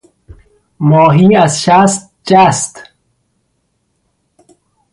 ماهی از شست جست.